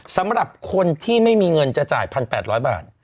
สำหรับคนที่ไม่มีเงินจะจ่าย๑๘๐๐บาท